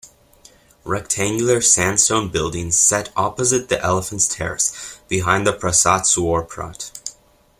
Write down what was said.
Rectangular sandstone buildings set opposite the Elephants Terrace, behind the Prasat Suor Prat.